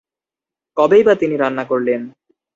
কবেই বা তিনি রান্না করলেন?